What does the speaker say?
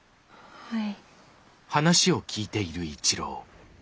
はい。